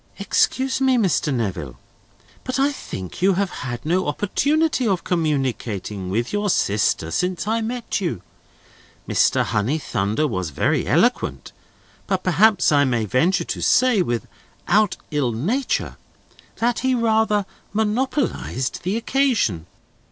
"Excuse me, Mr. Neville, but I think you have had no opportunity of communicating with your sister, since I met you. Mr. Honeythunder was very eloquent; but perhaps I may venture to say, without ill nature, that he rather monopolised the occasion.